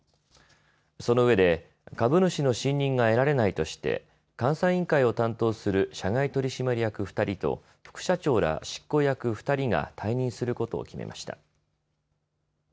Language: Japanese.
そのうえで株主の信任が得られないとして監査委員会を担当する社外取締役２人と副社長ら執行役２人が退任することを決めました。